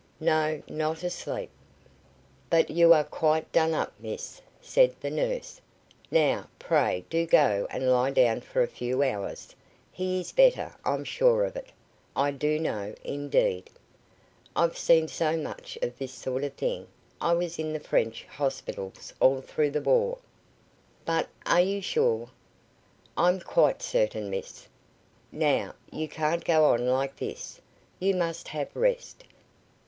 "No, not asleep." "But you are quite done up, miss," said the nurse. "Now, pray do go and lie down for a few hours. He is better, I'm sure of it. I do know, indeed. I've seen so much of this sort of thing. I was in the French hospitals all through the war." "But, are you sure?" "I'm quite certain, miss. Now, you can't go on like this. You must have rest.